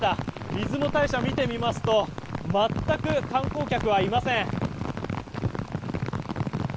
出雲大社を見てみますと全く観光客はいません。